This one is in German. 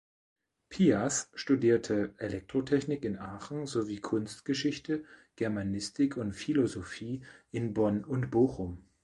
Pias studierte Elektrotechnik in Aachen sowie Kunstgeschichte, Germanistik und Philosophie in Bonn und Bochum.